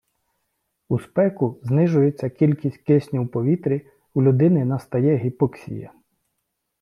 У спеку знижується кількість кисню в повітрі, у людини настає гіпоксія